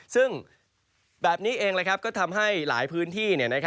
ซึ่งแบบนี้เองก็ทำให้หลายพื้นที่